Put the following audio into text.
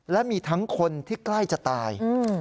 และมีทั้งคนที่ใกล้จะตาย